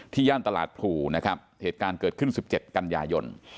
ย่านตลาดพลูนะครับเหตุการณ์เกิดขึ้น๑๗กันยายน